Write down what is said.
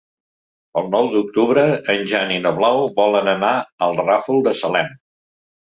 El nou d'octubre en Jan i na Blau volen anar al Ràfol de Salem.